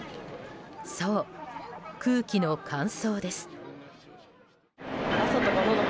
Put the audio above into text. そう、空気の乾燥です。